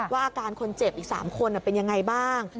ว่าอาการคนเจ็บอีก๓คนเป็นยังไงบ้าง